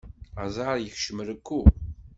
Aẓar yekcem rekku.